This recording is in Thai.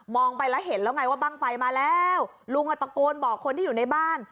ไปแล้วเห็นแล้วไงว่าบ้างไฟมาแล้วลุงอ่ะตะโกนบอกคนที่อยู่ในบ้าน